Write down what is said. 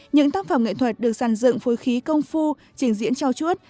những tác phẩm nghệ thuật được sàn dựng phối khí công phu trình diễn trao chuốt